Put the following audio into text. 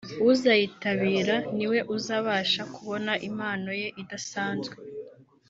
uzayitabira niwe uzabasha kubona impano ye idasanzwe